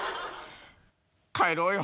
帰ろうよ。